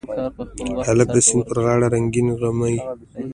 هلک د سیند پر غاړه رنګین غمي